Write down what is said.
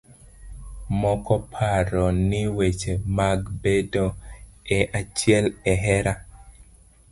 Moko paro ni weche mag bedo e achiel e hera.